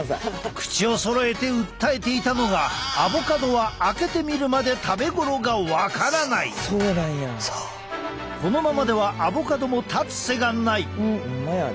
口をそろえて訴えていたのがアボカドはこのままではアボカドも立つ瀬がない！